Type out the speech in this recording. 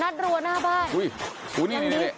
๑๐นัตรัวหน้าบ้าน